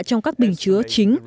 trong các bình chứa chính